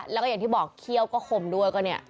แล้วก็อย่างที่บอกเขี้ยวก็คมด้วยก็เนี่ย